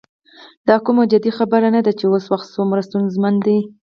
دا کومه جدي خبره نه ده چې اوس وخت څومره ستونزمن دی.